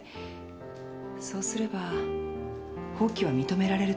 そうすれば放棄は認められると思います。